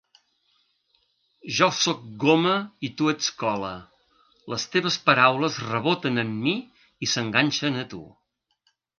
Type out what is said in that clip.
Jo sóc goma i tu ets cola. Les teves paraules reboten en mi i s'enganxen a tu.